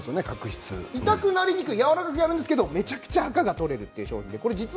痛くなりにくいやわらかいんですがめちゃくちゃあかが取れるという商品です。